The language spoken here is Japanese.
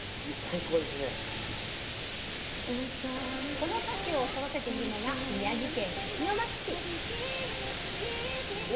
このかきを育てているのが宮城県石巻市。